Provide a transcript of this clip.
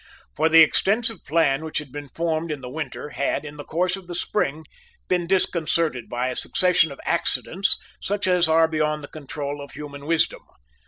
For the extensive plan which had been formed in the winter had, in the course of the spring, been disconcerted by a succession of accidents such as are beyond the control of human wisdom.